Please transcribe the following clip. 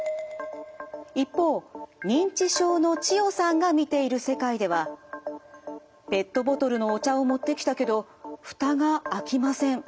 一方認知症の千代さんが見ている世界ではペットボトルのお茶を持ってきたけどフタが開きません。